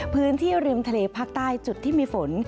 พื้นที่ริมทะเลภาคใต้จุดที่มีฝน